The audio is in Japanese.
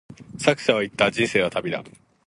作者は言った、人生は旅だ。